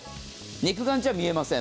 肉眼じゃ見えません。